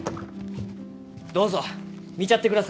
どうぞ見ちゃってください。